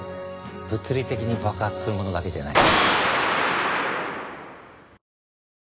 物理的に爆発するものだけじゃない。